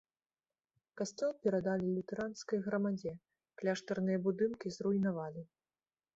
Касцёл перадалі лютэранскай грамадзе, кляштарныя будынкі зруйнавалі.